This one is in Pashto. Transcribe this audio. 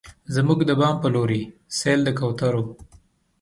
زموږ د بام په لورې، سیل د کوترو